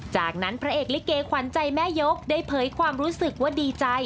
จากนั้นพระเอกลิเกขวัญใจแม่ยกได้เผยความรู้สึกว่าดีใจ